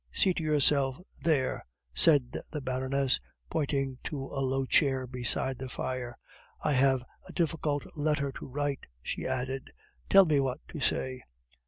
"Seat yourself there," said the Baroness, pointing to a low chair beside the fire. "I have a difficult letter to write," she added. "Tell me what to say."